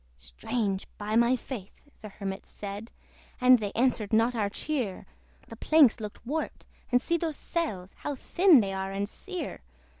"Strange, by my faith!" the Hermit said "And they answered not our cheer! The planks looked warped! and see those sails, How thin they are and sere!